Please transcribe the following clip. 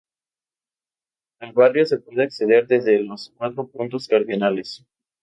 Al barrio se puede acceder desde los cuatro puntos cardinales.